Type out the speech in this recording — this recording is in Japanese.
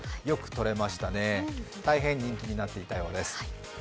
よく撮れましたね、大変人気になっていたようです。